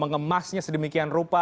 mengemasnya sedemikian rupa